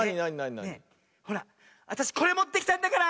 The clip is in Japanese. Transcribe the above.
あたしこれもってきたんだから！